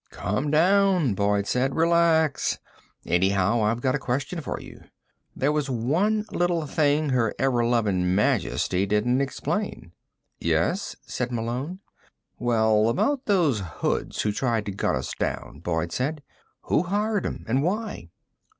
"Come down," Boyd said. "Relax. Anyhow, I've got a question for you. There was one little thing Her Everlovin' Majesty didn't explain." "Yes?" said Malone. "Well, about those hoods who tried to gun us down," Boyd said. "Who hired 'em? And why?"